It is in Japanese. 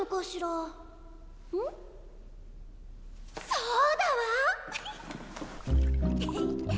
そうだわ！